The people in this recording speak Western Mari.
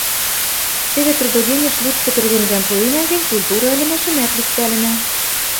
Теве трудоденеш луцкы кӹрвенгӓм пуэнӓ гӹнь, культура ӹлӹмӓшӹмӓт лӱктӓлӹнӓ.